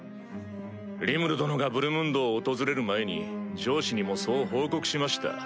リムル殿がブルムンドを訪れる前に上司にもそう報告しました。